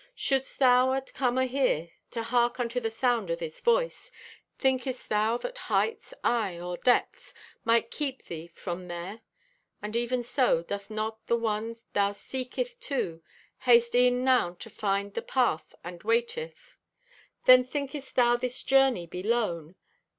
"Shouldst thou at come o' here to hark unto the sound of this voice, thinkest thou that heights, aye or depths, might keep thee from there? And even so, doth not the one thou seeketh too, haste e'en now to find the path and waiteth? "Then thinkest thou this journey be lone?